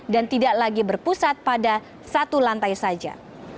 dan tidak lagi berpusat pada satu lantai saja